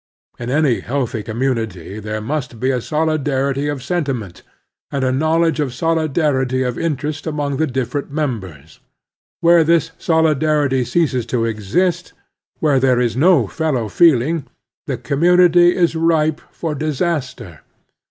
In any healthy community there must be a soUdarity of sentiment and a knowledge of solidarity of interest among 'tEe~diSefettl flieni bei§: Where this'Sblldarity ceases to exist, where there is no fellow feeling, the community is ripe for disaster.